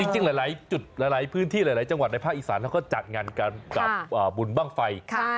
จริงหลายจุดหลายพื้นที่หลายจังหวัดในภาคอีสานเขาก็จัดงานกันกับบุญบ้างไฟ